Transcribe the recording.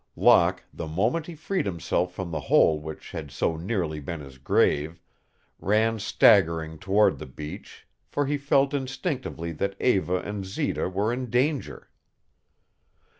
Locke, the moment he freed himself from the hole which had so nearly been his grave, ran staggering toward the beach, for he felt instinctively that Eva and Zita were in danger.